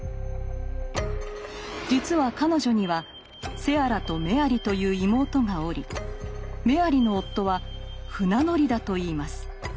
実は彼女にはセアラとメアリという妹がおりメアリの夫は船乗りだといいます。